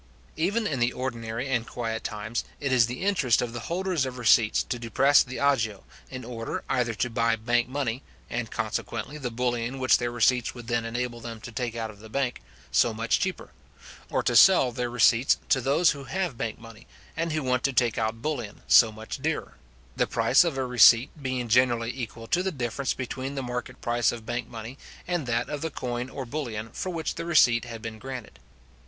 Even in ordinary and quiet times, it is the interest of the holders of receipts to depress the agio, in order either to buy bank money (and consequently the bullion which their receipts would then enable them to take out of the bank ) so much cheaper, or to sell their receipts to those who have bank money, and who want to take out bullion, so much dearer; the price of a receipt being generally equal to the difference between the market price of bank money and that of the coin or bullion for which the receipt had been granted.